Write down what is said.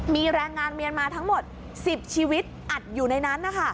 มีแรงงานเมียนมาทั้งหมด๑๐ชีวิตอัดอยู่ในนั้นนะคะ